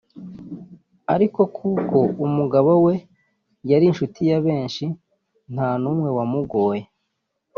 ariko kuko umugabo we yari inshuti ya benshi nta n’umwe wamugoye